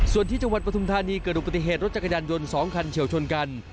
ส่วนที่จังหวัดปฐุมธานีเกิดอุปติเหตุรถจักรยานยนต์๒คันเฉียวชนกัน